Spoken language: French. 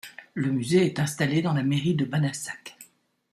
Le musée est installé dans la mairie de Banassac.